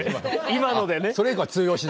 今のでね。